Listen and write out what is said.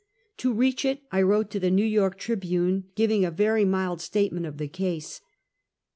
To reach it, I wrote to the New York T'ribune^ gi"^ing a very mild statement of the case.